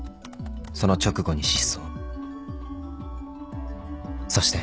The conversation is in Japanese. その直後に失踪